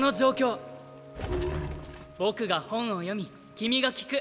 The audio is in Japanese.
僕が本を読み君が聞く。